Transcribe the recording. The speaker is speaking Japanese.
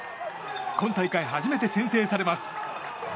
今大会初めて先制されます。